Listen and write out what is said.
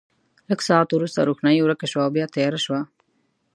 لږ ساعت وروسته روښنايي ورکه شوه او بیا تیاره شوه.